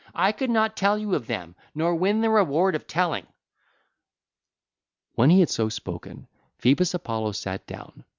I could not tell you of them, nor win the reward of telling."' (ll. 365 367) When he had so spoken, Phoebus Apollo sat down.